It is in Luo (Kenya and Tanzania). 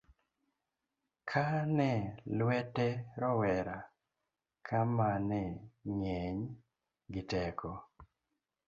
kane lwete rowera ka mane ng'eny gi teko